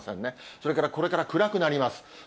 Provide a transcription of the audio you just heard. それからこれから暗くなります。